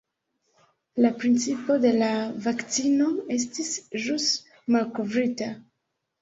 La principo de la vakcino estis ĵus malkovrita.